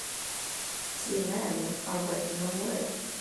Two men are working on wood.